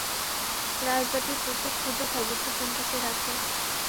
রাজবাটির প্রত্যেক ক্ষুদ্র খবরটি পর্যন্ত সে রাখে।